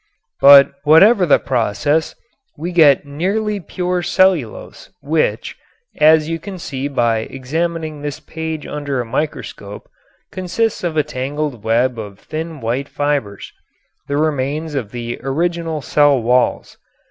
But whatever the process we get nearly pure cellulose which, as you can see by examining this page under a microscope, consists of a tangled web of thin white fibers, the remains of the original cell walls.